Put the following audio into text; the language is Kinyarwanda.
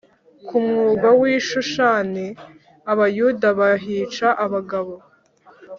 Ku murwa w i Shushani Abayuda bahica abagabo